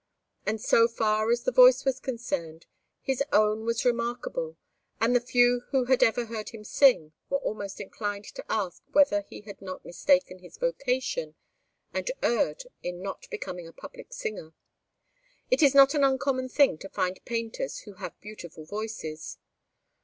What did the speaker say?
And so far as the voice was concerned, his own was remarkable, and the few who ever heard him sing were almost inclined to ask whether he had not mistaken his vocation and erred in not becoming a public singer. It is not an uncommon thing to find painters who have beautiful voices.